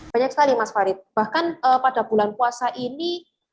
banyak sekali mas farid bahkan pada bulan puasa ini